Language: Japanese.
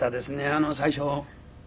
あの最初。